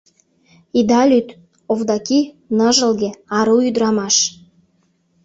— Ида лӱд: Овдаки — ныжылге, ару ӱдырамаш.